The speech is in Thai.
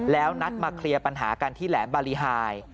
แล้วนัดมาเคลียร์ปัญหากันที่แหลมบารีไฮ